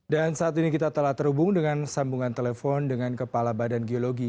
dan saat ini kita telah terhubung dengan sambungan telepon dengan kepala badan geologi